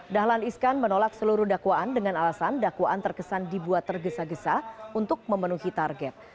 dahlan iskan menolak seluruh dakwaan dengan alasan dakwaan terkesan dibuat tergesa gesa untuk memenuhi target